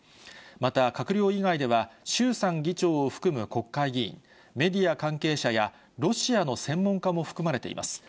また閣僚以外では、衆参議長を含む国会議員、メディア関係者やロシアの専門家も含まれています。